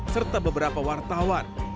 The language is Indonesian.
serta beberapa wartawan